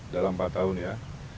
dalam empat tahun ya